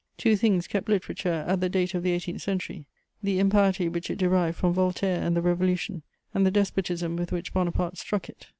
Two things kept literature at the date of the eighteenth century: the impiety which it derived from Voltaire and the Revolution, and the despotism with which Bonaparte struck it.